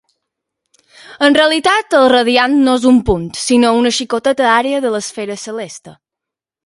En realitat, el radiant no és un punt, sinó una xicoteta àrea de l'esfera celeste.